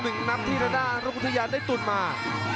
หนึ่งนับที่รัดด้านลูกภูยาได้ตุ่นมา